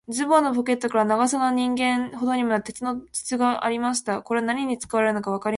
ズボンのポケットからは、長さ人間ほどもある、鉄の筒がありました。これは何に使うのかわかりません。